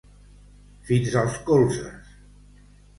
Fins als colzes.